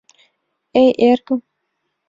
Эй, эргым!